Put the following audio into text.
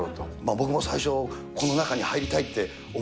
僕も最初、この中に入りたい！